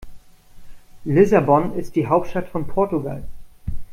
Lissabon ist die Hauptstadt von Portugal.